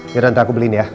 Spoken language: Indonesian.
yaudah nanti aku beliin ya